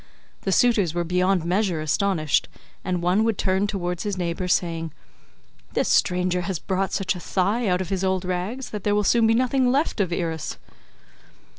The suitors were beyond measure astonished, and one would turn towards his neighbour saying, "The stranger has brought such a thigh out of his old rags that there will soon be nothing left of Irus."